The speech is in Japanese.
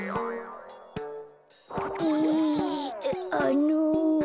えあの。